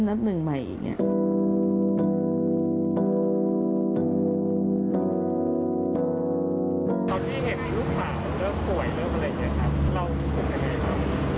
ตอนที่เห็นลูกสาวเริ่มป่วยเริ่มอะไรอย่างนี้ครับเรารู้สึกยังไงบ้าง